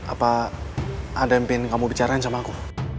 apa ada yang ingin kamu bicarain sama aku